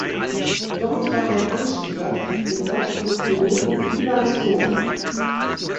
Dort war er Anschieber im Bob des Piloten Ivan Sola.